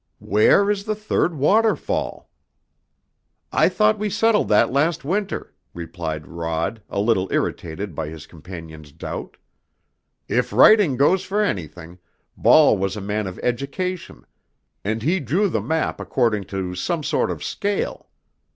"Where is the third waterfall?" "I thought we settled that last winter," replied Rod, a little irritated by his companion's doubt. "If writing goes for anything, Ball was a man of education, and he drew the map according to some sort of scale.